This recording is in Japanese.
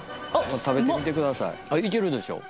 食べてみてくださいいけるでしょ